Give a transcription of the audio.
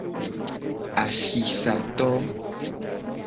Asisato.